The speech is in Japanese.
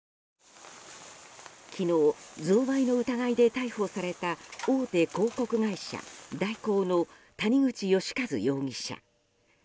昨日、贈賄の疑いで逮捕された大手広告会社・大広の谷口義一容疑者。